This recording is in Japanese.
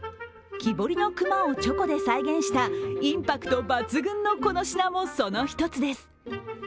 木彫りの熊をチョコで再現したインパクト抜群のこの品もその一つです。